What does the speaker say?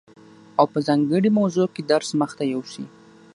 او په ځانګړي موضوع کي درس مخته يوسي،